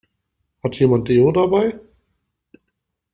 Hat jemand Deo dabei?